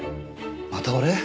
また俺？